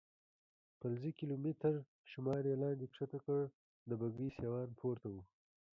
فلزي کیلومتر شمار یې لاندې کښته کړ، د بګۍ سیوان پورته و.